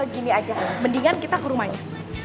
gini aja mendingan kita ke rumahnya